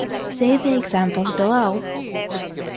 See the examples below.